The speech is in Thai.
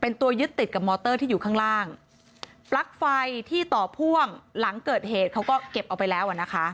เป็นตัวยึดติดกับมอเตอร์ที่อยู่ข้างล่างปลั๊กไฟที่ต่อพ่วงหลังเกิดเหตุเขาก็เก็บเอาไปแล้วอ่ะนะคะ